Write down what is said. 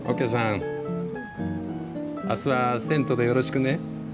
あすは銭湯でよろしくね。